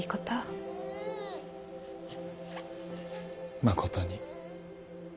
まことに。